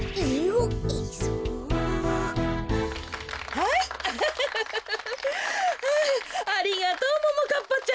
あありがとうももかっぱちゃん。